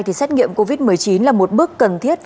thì xét nghiệm covid một mươi chín là một bước cần thiết